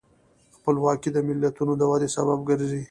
خپلواکي د ملتونو د ودې سبب ګرځي.